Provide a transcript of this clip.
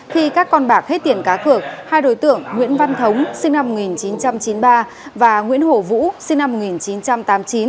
khi các con bạc hết tiền cá cược hai đối tượng nguyễn văn thống sinh năm một nghìn chín trăm chín mươi ba và nguyễn hổ vũ sinh năm một nghìn chín trăm tám mươi chín